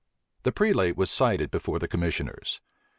The prelate was cited before the commissioners.